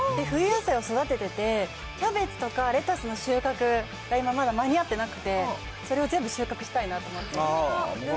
冬野菜を育てて、キャベツとかレタスの収穫が、まだ間に合ってなくて、それを全部収穫したいなと思って。